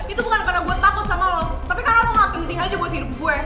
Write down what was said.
itu bukan karena buat takut sama lo tapi karena lo gak genting aja buat hidup gue